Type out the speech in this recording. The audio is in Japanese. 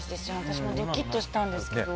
私もドキッとしたんですけど。